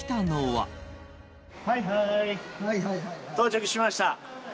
はいはーい！到着しました。